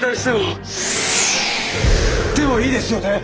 てもいいですよね？